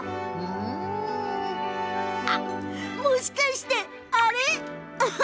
もしかして、あれ！